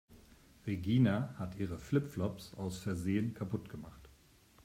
Regina hat ihre Flip-Flops aus Versehen kaputt gemacht.